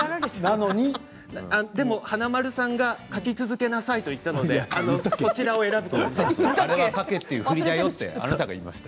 でも華丸さんが描き続けなさいと言ったのでそちらを選びました。